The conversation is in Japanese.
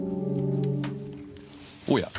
おや。